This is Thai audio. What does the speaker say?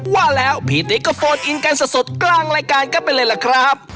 ว่าแล้วพี่ติ๊กก็โฟนอินกันสดกลางรายการกันไปเลยล่ะครับ